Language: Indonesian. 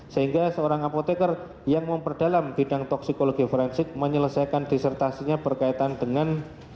sehingga seorang apoteker yang memperdalam bidang toksikologi forensik menyelesaikan disertasinya berkaitan dengan